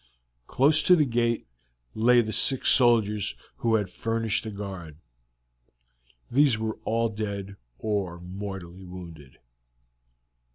Close to the gate lay the six soldiers who had furnished the guard; these were all dead or mortally wounded.